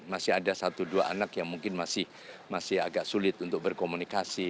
masih ada satu dua anak yang mungkin masih agak sulit untuk berkomunikasi